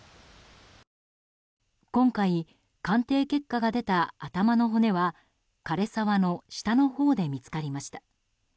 今回、鑑定結果が出た頭の骨は枯れ沢の下のほうで見つかりました。